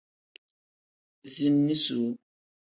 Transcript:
Ziini suu.